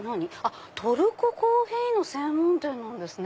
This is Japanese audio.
トルココーヒーの専門店なんですね